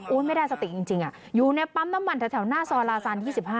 ไม่ได้สติจริงอยู่ในปั๊มน้ำมันแถวหน้าซอยลาซาน๒๕